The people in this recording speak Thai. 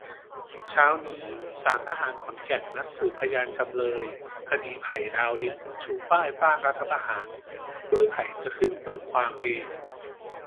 เช้านี้ศาลทหารขอนแก่นนัดสืบพยานจำเลย คดีไผ่ ดาวดิน ชูป้ายต้านรัฐประหาร โดยไผ่จะขึ้นเบิกความเอง